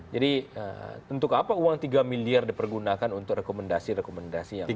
jadi untuk apa uang tiga miliar dipergunakan untuk rekomendasi rekomendasi yang